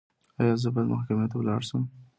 ایا زه باید محکمې ته لاړ شم؟